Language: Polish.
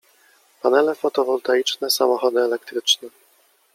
Panele fotowoltaiczne, samochody elektryczne.